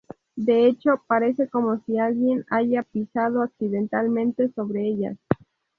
De hecho parece como si alguien haya pisado accidentalmente sobre ellas.